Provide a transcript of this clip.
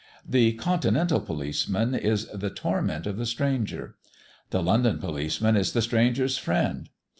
The continental policeman is the torment of the stranger. The London policeman is the stranger's friend.